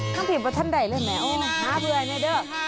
ต้องผิดว่าท่านใดเลยไหมโอ้หาเพื่อนไหมเด้อ